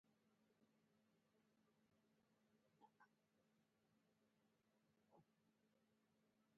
چې «خطا به وکړم»